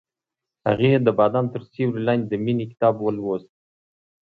هغې د بام تر سیوري لاندې د مینې کتاب ولوست.